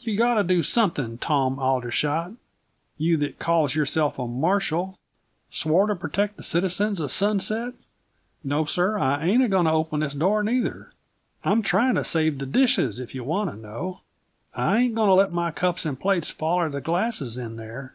You gotta do something, Tom Aldershot you that calls yourself a marshal, swore to pertect the citizens uh Sunset! No, sir I ain't a goin' to open this door, neither. I'm tryin' to save the dishes, if you want to know. I ain't goin' to let my cups and plates foller the glasses in there.